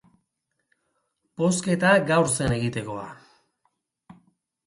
Bozketa gaur zen egitekoa.